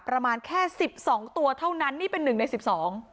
ประมาณแค่สิบสองตัวเท่านั้นนี่เป็นหนึ่งในสิบสอง